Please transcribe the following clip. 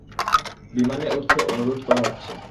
বিমানে উঠতে অনুরোধ করা হচ্ছে।